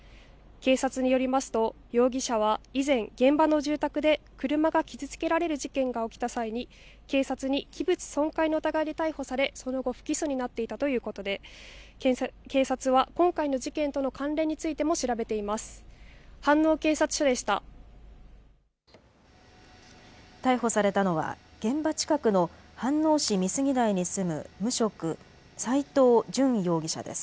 警察によりますと容疑者は、以前現場の住宅で車が傷つけられる事件が起きた際に警察に器物損壊の疑いで逮捕されその後不起訴になっていたということで警察は今回の事件との関連についても調べています。